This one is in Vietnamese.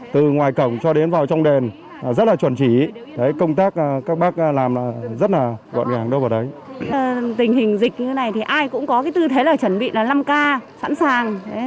tình hình dịch như thế này thì ai cũng có cái tư thế là chuẩn bị là năm k sẵn sàng